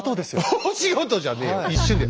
大仕事じゃねえよ一瞬だよ。